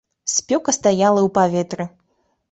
Спёка стаяла ў паветры.